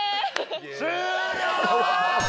終了！